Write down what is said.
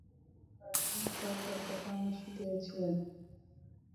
তিনি পুনর্বাসনে সরকারকে পরামর্শ দিয়েছিলেন।